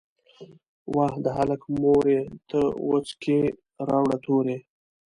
"وه د هلک مورې ته وڅکي راوړه توري".